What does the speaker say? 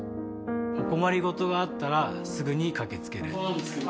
お困り事があったらすぐに駆け付ける